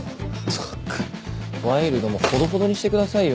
ワイルドもほどほどにしてくださいよ。